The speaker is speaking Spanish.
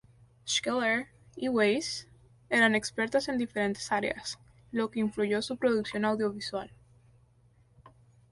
Schiller y Weiss eran expertas en diferentes áreas, lo que influyó su producción audiovisual.